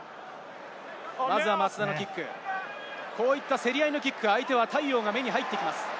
まずは松田のキック、こういった競り合いのキック、相手は太陽が目に入ってきます。